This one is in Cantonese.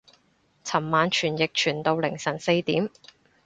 尋晚傳譯傳到凌晨四點